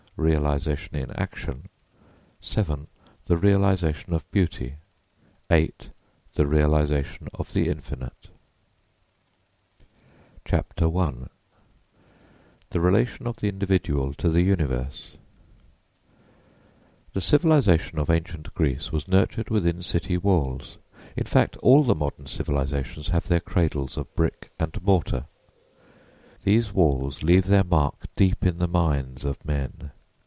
REALISATION IN ACTION VII. THE REALISATION OF BEAUTY VIII. THE REALISATION OF THE INFINITE I THE RELATION OF THE INDIVIDUAL TO THE UNIVERSE The civilisation of ancient Greece was nurtured within city walls. In fact, all the modern civilisations have their cradles of brick and mortar. These walls leave their mark deep in the minds of men.